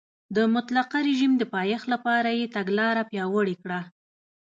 د مطلقه رژیم د پایښت لپاره یې تګلاره پیاوړې کړه.